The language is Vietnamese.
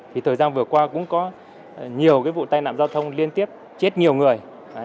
thì thời gian vừa qua cũng có nhiều cái vụ tai nạn giao thông liên tiếp chết nhiều người